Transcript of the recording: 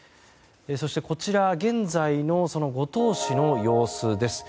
そしてこちら現在の五島市の様子です。